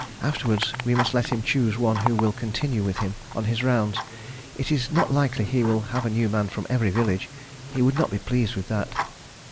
Afterwards we must let him choose one who will continue with him on his rounds. It is not likely he will have a new man from every village. He would not be pleased with that."